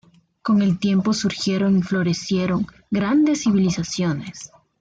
Con el tiempo surgieron y florecieron "grandes civilizaciones".